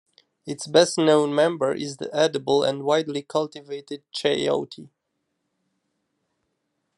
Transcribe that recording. Its best known member is the edible and widely cultivated chayote.